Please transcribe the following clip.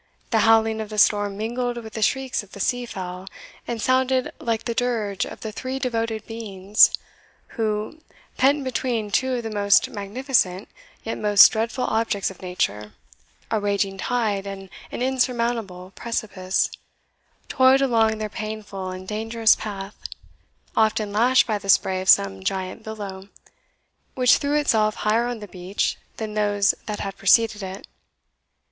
The howling of the storm mingled with the shrieks of the sea fowl, and sounded like the dirge of the three devoted beings, who, pent between two of the most magnificent, yet most dreadful objects of nature a raging tide and an insurmountable precipice toiled along their painful and dangerous path, often lashed by the spray of some giant billow, which threw itself higher on the beach than those that had preceded it.